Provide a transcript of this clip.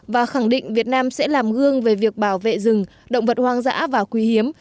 và khẳng định việt nam sẽ làm gương về việc bảo vệ rừng động vật hoang dã và quý hiếm